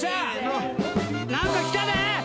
何か来たで！